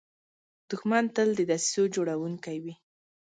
دښمن تل د دسیسو جوړونکی وي